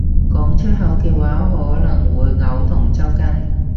講出口嘅話可能會嘔同抽搐